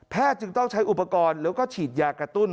แพทย์จึงต้องใช้อุปกรณ์หรือก็ฉีดยากระตุ้น